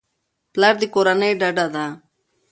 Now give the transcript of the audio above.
پلار د کورنۍ ډډه ده.